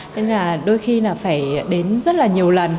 nên là đôi khi là phải đến rất là nhiều lần